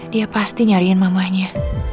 dia pasti nyariin mamanya